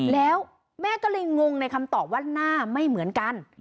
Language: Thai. แล้วแม่ก็เลยงงในคำตอบว่าหน้าไม่เหมือนกัน